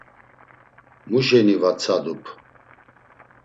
Mu şeni va tsadup?